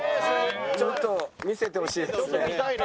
ちょっと見せてほしいですね。